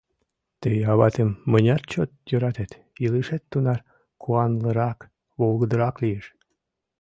Тый аватым мыняр чот йӧратет, илышет тунар куанлырак, волгыдырак лиеш.